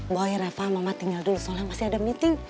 boy repa mama tinggal dulu soalnya masih ada meeting